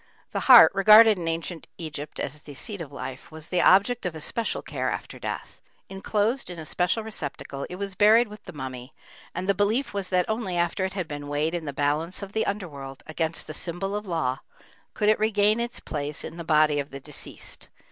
The heart, regarded in ancient Egypt as the seat of life, was the object of especial care after death. Enclosed in a special receptacle it was buried with the mummy, and the belief was that only after it had been weighed in the balance of the underworld, against the symbol of law, could it regain its place in the body of the deceased.